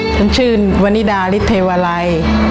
ฉันชื่อวันนิดาริสเทวาลัย